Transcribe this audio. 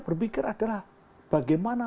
berpikir adalah bagaimana